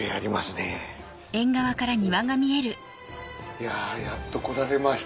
いややっと来られました。